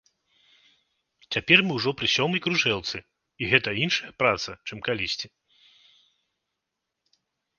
Цяпер мы ўжо пры сёмай кружэлцы, і гэта іншая праца, чым калісьці.